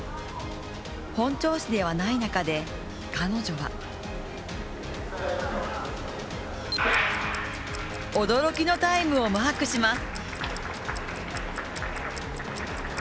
本調子ではない中で、彼女は驚きのタイムをマークします。